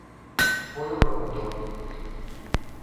Foi o promotor.